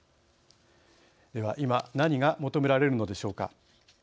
では今、何が求められるのでしょうか。